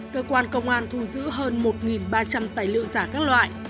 cơ quan công an thu giữ hơn một ba trăm linh tài liệu giả các loại